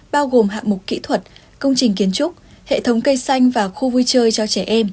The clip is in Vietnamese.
bao gồm hạng mục kỹ thuật công trình kiến trúc hệ thống cây xanh và khu vui chơi cho trẻ em